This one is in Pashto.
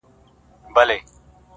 یوه ورځ به زه هم تا دلته راوړمه!!